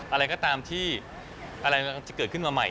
อะไรก็ตามที่อะไรมันจะเกิดขึ้นมาใหม่